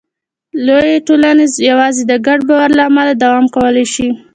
لویې ټولنې یواځې د ګډ باور له لارې دوام کولی شي.